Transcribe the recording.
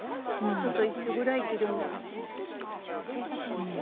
人と一緒ぐらい生きるんだもん。